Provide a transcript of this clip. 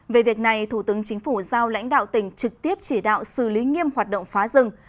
về việc này thủ tướng chính phủ giao lãnh đạo tỉnh trực tiếp chỉ đạo xử lý nghiêm hoạt động phá rừng